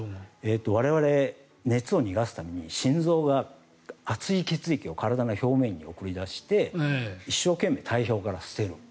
我々、熱を逃がすために心臓が熱い血液を体の表面に送り出して一生懸命、体表から捨てる。